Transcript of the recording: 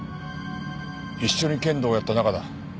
一緒に剣道をやった仲だ。